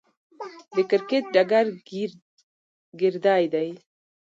د کرکټ ډګر ګيردى يي.